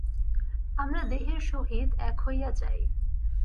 আমরা দেহের সহিত এক হইয়া যাই।